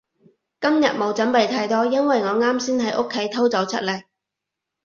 今日冇準備太多，因為我啱先喺屋企偷走出嚟